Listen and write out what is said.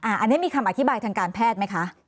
อันนี้มีคำอธิบายทางการแพทย์ไหมคะ